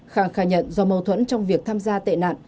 khang khai nhận do mâu thuẫn trong việc tham gia tệ nạn